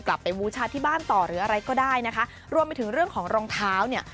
บูชาที่บ้านต่อหรืออะไรก็ได้นะคะรวมไปถึงเรื่องของรองเท้าเนี่ย